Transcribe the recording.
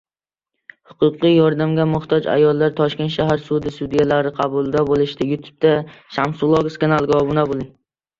Huquqiy yordamga muhtoj ayollar Toshkent shahar sudi sudyalari qabulida bo‘lishdi